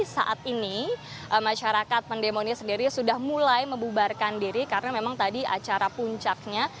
saat ini masyarakat pendemo ini sendiri sudah mulai membubarkan diri karena memang tadi acara puncaknya